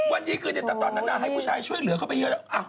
วันยี่คืนจะตัดตอนที่นางให้ผู้ชายช่วยเหลือเขาไปเยอะ